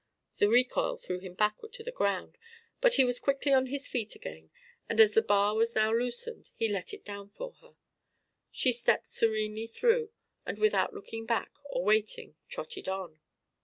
The recoil threw him backward to the ground, but he was quickly on his feet again; and as the bar was now loosened, he let it down for her. She stepped serenely through and without looking back or waiting trotted on.